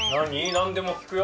なんでも聞くよ。